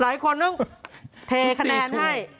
หลายคนต้องเทคะแนนให้